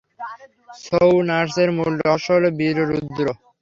ছৌ নাচের মূল রস হল বীর ও রুদ্র।